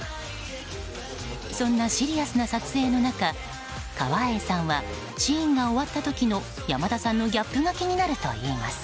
そんなシリアスな撮影の中川栄さんはシーンが終わった時の山田さんのギャップが気になるといいます。